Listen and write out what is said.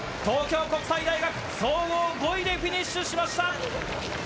東京国際大学総合５位でフィニッシュしました。